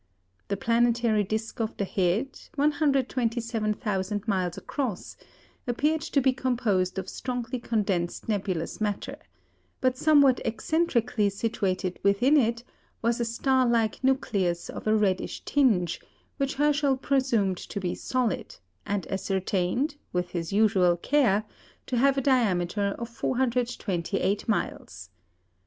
The planetary disc of the head, 127,000 miles across, appeared to be composed of strongly condensed nebulous matter; but somewhat eccentrically situated within it was a star like nucleus of a reddish tinge, which Herschel presumed to be solid, and ascertained, with his usual care, to have a diameter of 428 miles.